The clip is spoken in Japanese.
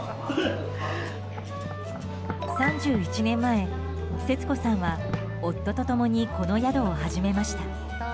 ３１年前、節子さんは夫と共にこの宿を始めました。